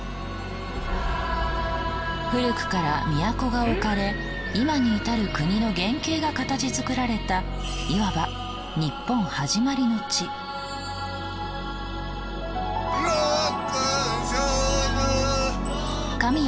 古くから都が置かれ今に至る国の原型が形づくられたいわば六根清浄。